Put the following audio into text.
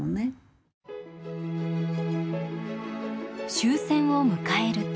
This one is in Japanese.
終戦を迎えると。